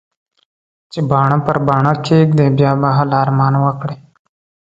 چې باڼه پر باڼه کېږدې؛ بيا به هله ارمان وکړې.